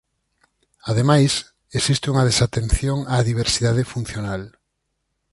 Ademais, existe unha desatención á diversidade funcional.